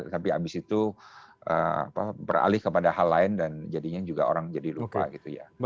tapi abis itu beralih kepada hal lain dan jadinya juga orang jadi lupa gitu ya